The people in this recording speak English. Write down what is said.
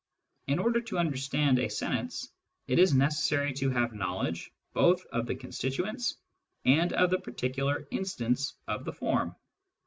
In order to' understand a sentence, it is necessary to have knowledge both of the constituents and of the particular instance of the form.